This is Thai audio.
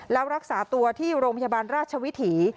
แล้วรักษาตัวที่โรงพยาบาลราชวิถี